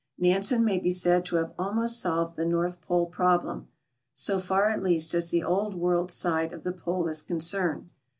Nansen may be said to have almost solved the North Pole problem — so far, at least, as the Old World side of the Pole is concerned.